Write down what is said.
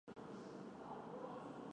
回到一二号巴士站